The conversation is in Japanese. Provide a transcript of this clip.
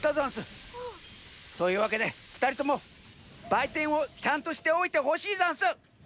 というわけでふたりともばいてんをちゃんとしておいてほしいざんす！